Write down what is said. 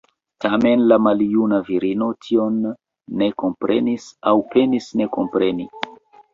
Tamen la maljuna virino tion ne komprenis, aŭ penis ne kompreni.